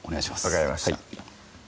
分かりました